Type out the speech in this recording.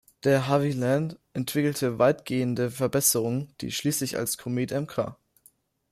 De Havilland entwickelte weitgehende Verbesserungen, die schließlich als Comet Mk.